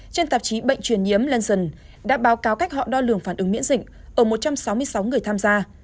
trên tạp chí bệnh truyền nhiễm lenson đã báo cáo cách họ đo lường phản ứng miễn dịch ở một trăm sáu mươi sáu người tham gia